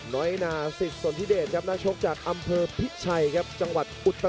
น้อยน่าสิทธิ์สนทิเดชนัดชกจากอำเภอพิชชัยจังหวัดอุตตรฤษ